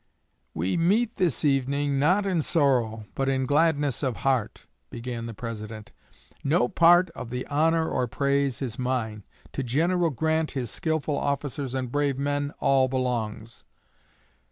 "We meet this evening, not in sorrow but in gladness of heart," began the President. "No part of the honor or praise is mine. To General Grant, his skilful officers and brave men, all belongs."